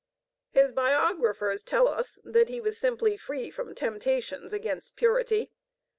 His biographers tell us that he was simply' free from temptations against purity.